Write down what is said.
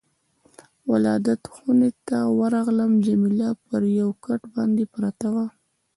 ولادت خونې ته ورغلم، جميله پر یو کټ باندې پرته وه.